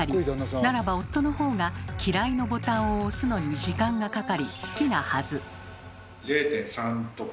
ならば夫の方が「嫌い」のボタンを押すのに時間がかかり好きなはず。